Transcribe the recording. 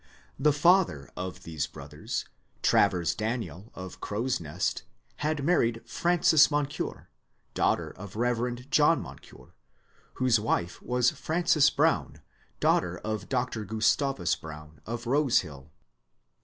The father of these brothers, Travers Daniel of " Crow's Nest," had married Frances Moncure, daughter of Eev. John Moncure, whose wife was Frances Brown, daughter of Dr. Gustavus Brown of " Rose Hill."